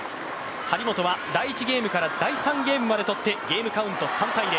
張本は第１ゲームから第３ゲームまで取って、ゲームカウント３−０。